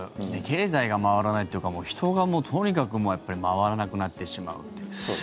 経済が回らないというか人がとにかく回らなくなってしまう。